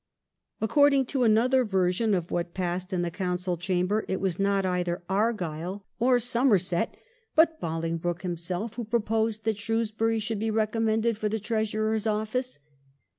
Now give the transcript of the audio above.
According to another version of what passed in the Council chamber it was not either Argyle or 364 THE REIGN OF QUEEN ANNE. ch. xxxviii. Somerset, but Bolingbroke himself who proposed that Shrewsbury should be recommended for the Treasurer's office.